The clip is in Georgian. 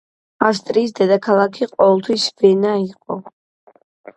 ავსტრიის დედაქალაქი ყოველთვის ვენა იყო.